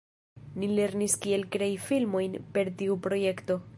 Ni lernis kiel krei filmojn per tiu projekto.